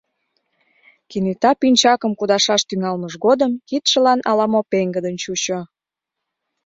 Кенета пинчакым кудашаш тӱҥалмыж годым кидшылан ала-мо пеҥгыдын чучо.